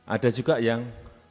ada juga yang